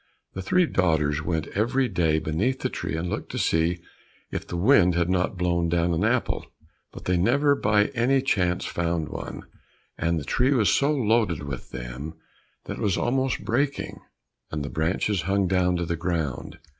The three daughters went every day beneath the tree, and looked to see if the wind had not blown down an apple, but they never by any chance found one, and the tree was so loaded with them that it was almost breaking, and the branches hung down to the ground.